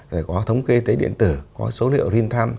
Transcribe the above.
rồi có thống kê y tế điện tử có số liệu rin tham